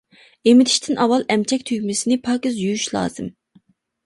ئېمىتىشتىن ئاۋۋال ئەمچەك تۈگمىسىنى پاكىز يۇيۇش لازىم.